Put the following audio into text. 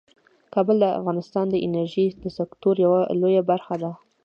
کابل د افغانستان د انرژۍ د سکتور یوه لویه برخه ده.